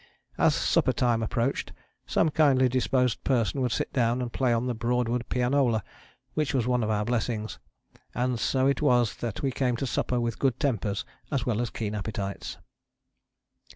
As supper time approached some kindly disposed person would sit down and play on the Broadwood pianola which was one of our blessings, and so it was that we came to supper with good tempers as well as keen appetites.